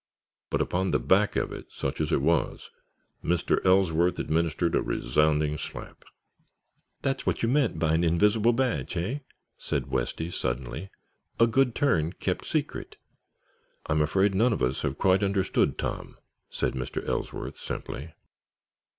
But upon the back of it, such as it was, Mr. Ellsworth administered a resounding slap. "That's what you meant by an invisible badge, hey?" said Westy, suddenly; "a good turn kept secret." "I'm afraid none of us have quite understood Tom," said Mr. Ellsworth, simply.